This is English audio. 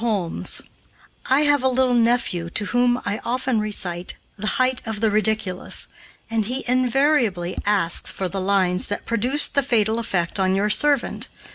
HOLMES: "I have a little nephew to whom I often recite 'The Height of the Ridiculous,' and he invariably asks for the lines that produced the fatal effect on your servant.